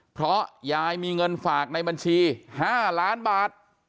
เพราะยายมีเงินฝากในบัญชี๕ล้านบาท